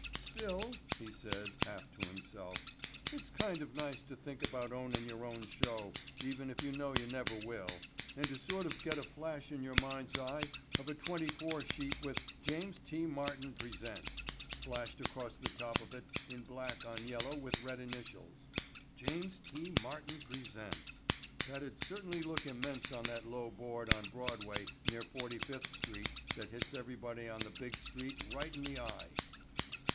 "Still," he said, half to himself, "it's kind of nice to think about ownin' your own show even if you know you never will, and to sort of get a flash in your mind's eye of a twenty four sheet with 'James T. Martin presents' splashed across the top of it in black on yellow with red initials. 'James T. Martin presents'—that'd certainly look immense on that low board on Broadway near Forty fifth street that hits everybody on the big street right in the eye."